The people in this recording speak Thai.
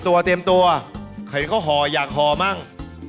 เตรียมตัวใครเขาหออยากหอมั้ง